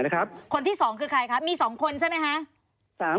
คนที่๒คือใครคะมี๒คนใช่ไหมคะ